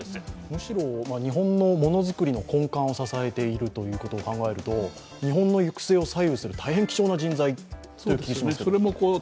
むしろ日本のものづくりの根幹を支えていると考えると日本の行く末を左右する大変貴重な人材という気がしますけど。